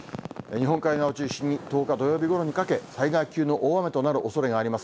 日本海側を中心に１０日土曜日ごろにかけ、災害級の大雨となるおそれがあります。